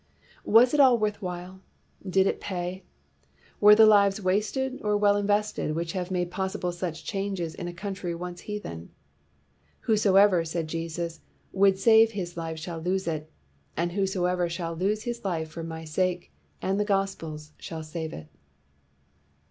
Was it all worth while? Did it pay? Were the lives wasted or well invested which have made possible such changes in a coun try once heathen? "Whosoever," said Jesus, "would save his life shall lose it; and whosoever shall lose his life for my sake and the gospel's shall save it."